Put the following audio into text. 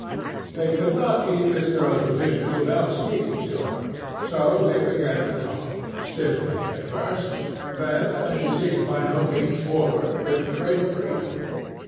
They could not eat this girl's provisions without speaking to her. So they began to talk, stiffly at first; then, as she seemed by no means forward, with greater freedom.